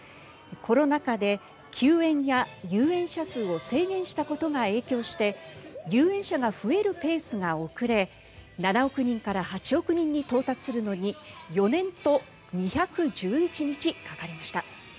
コロナ禍で休園や入園者数を制限したことが影響して入園者が増えるペースが遅れ７億人から８億人に到達するのに４年と２１１日かかりました。